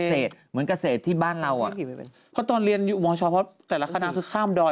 เหมือนเกษตรที่บ้านเราอ่ะเพราะตอนเรียนอยู่มชเพราะแต่ละคณะคือข้ามดอย